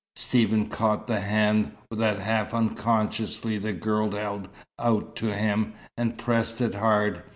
Stephen caught the hand that half unconsciously the girl held out to him, and pressed it hard.